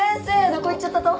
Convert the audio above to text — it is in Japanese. どこ行っちょったと？